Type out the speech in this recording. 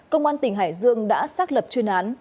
công an tỉnh hải dương đã xác lập chuyên án